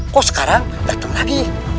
kok sekarang datang lagi